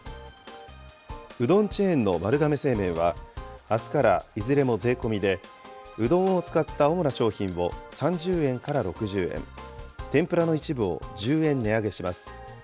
うどんチェーンの丸亀製麺は、あすからいずれも税込みで、うどんを使った主な商品を３０円から６０円、天ぷらの一部を１０円値上げします。